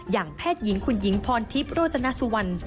แพทย์หญิงคุณหญิงพรทิพย์โรจนสุวรรณ